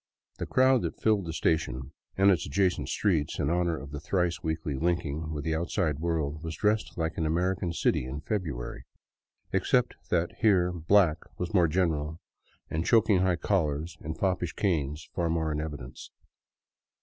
The crowd that filled the station and its adjacent streets in honor of the thrice weekly linking with the outside world was dressed like an American city in February, except that here black was more general and choking high collars and foppish canes far more in evidence.